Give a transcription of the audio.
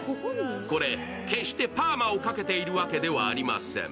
これ、決してパーマをかけているわけではありません。